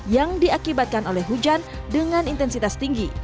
yang diakibatkan oleh hujan dengan intensitas tinggi